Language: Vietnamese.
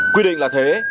quy định là thế